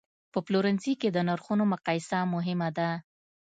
په پلورنځي کې د نرخونو مقایسه مهمه ده.